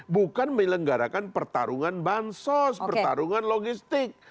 bukan menyelenggarakan pertarungan bansos pertarungan logistik